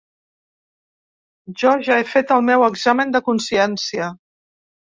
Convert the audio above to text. Jo ja he fet el meu examen de consciència.